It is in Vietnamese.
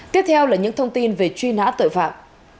tiếp theo là những thông tin về truy nã tội phạm